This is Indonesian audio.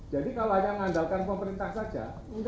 jadi kalau hanya mengandalkan pemerintah saja tidak ada masalah